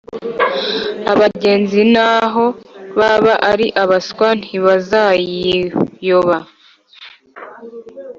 Abagenzi naho baba ari abaswa ntibazayiyoba